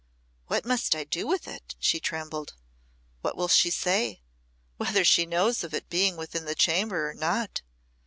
"What must I do with it?" she trembled. "What will she say, whether she knows of its being within the chamber or not?